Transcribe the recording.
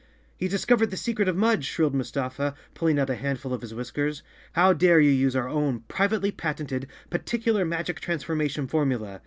"He's discovered the secret of Mudge," shrilled Mus¬ tafa, pulling out a handful of his whiskers. "How dare you use our own privately patented, particular, magic transformation formula?